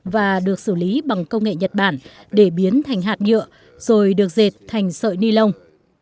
và được xử lý bằng công nghệ nhật bản để biến thành hạt nhựa rồi được dệt thành sợi ni lông